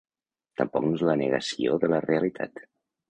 Tampoc no és la negació de la realitat.